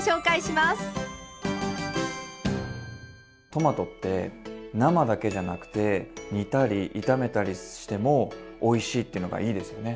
トマトって生だけじゃなくて煮たり炒めたりしてもおいしいっていうのがいいですよね。